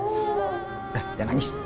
udah jangan nangis